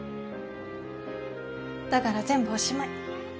だから全部おしまい。